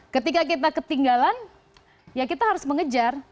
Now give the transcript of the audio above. ketika kita ketinggalan ya kita harus mengejar